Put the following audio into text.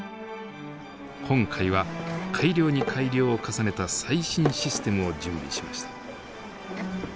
今回は改良に改良を重ねた最新システムを準備しました。